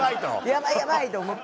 やばいやばい！と思って。